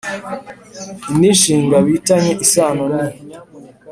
Indi nshinga bi tanye isano ni